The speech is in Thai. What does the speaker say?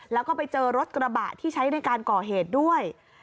แล้วก็ไปเจอรถกระบะที่ใช้ในการก่อเหตุด้วย